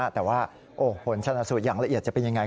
แต่ว่าผลชนะสูตรอย่างละเอียดจะเป็นยังไง